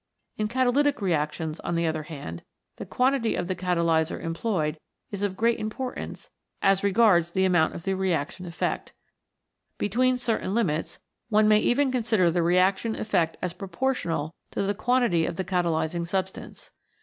In catalytic re actions, on the other hand, the quantity of the catalyser employed is of great importance as regards the amount of the reaction effect. Between certain limits one may even consider the reaction 87 CHEMICAL PHENOMENA IN LIFE effect as proportional to the quantity of the catalysing substance.